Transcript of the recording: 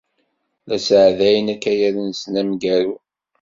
La sɛeddayen akayad-nsen ameggaru.